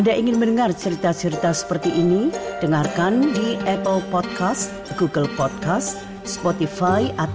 amin terima kasih banget